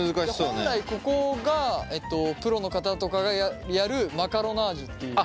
本来ここがプロの方とかがやるマカロナージュっていう。